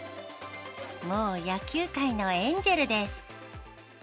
もう野球界のエンジェルです。